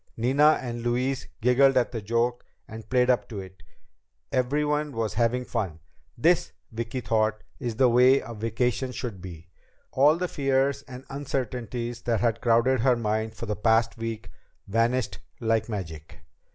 Nina and Louise giggled at the joke and played up to it. Everyone was having fun. This, Vicki thought, is the way a vacation should be! All the fears and uncertainties that had crowded her mind for the past week vanished like magic.